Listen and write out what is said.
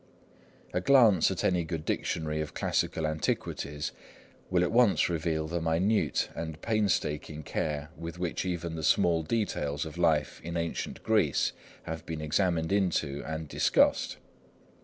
A glance at any good dictionary of classical antiquities will at once reveal the minute and painstaking care with which even the small details of life in ancient Greece have been examined into and discussed.